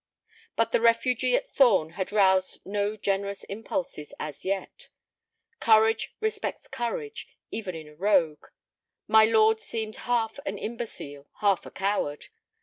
But the refugee at Thorn had roused no generous impulses as yet. Courage respects courage, even in a rogue; my lord seemed half an imbecile, half a coward.